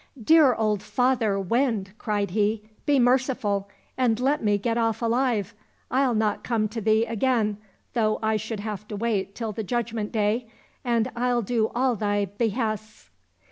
" Dear old father Wind," cried he, " be merciful, and let me get off alive. I'll not come to thee again though I should have to wait till the Judgment Day, and I'll do all thy behests."